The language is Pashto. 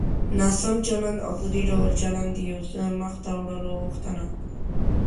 ناسم چلند او په دې ډول چلند د يو څه مخته وړلو غوښتنه.